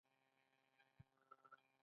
آیا د ایران ملي سرود لنډ او حماسي نه دی؟